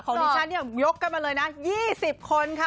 ของดิฉันยกกันมาเลยนะ๒๐คนค่ะ